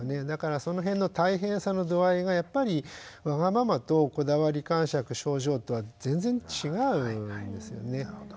だからその辺の大変さの度合いがやっぱりわがままとこだわりかんしゃく症状とは全然違うんですね。